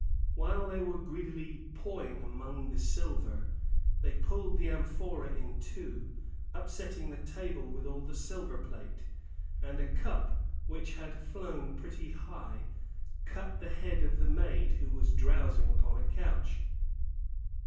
While they were greedily pawing among the silver, they pulled the amphora in two, upsetting the table with all the silver plate, and a cup, which had flown pretty high, cut the head of the maid, who was drowsing upon a couch.